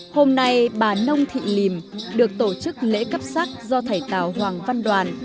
hôm nay bà nông thị lìm được tổ chức lễ cấp sắc do thầy tào hoàng văn đoàn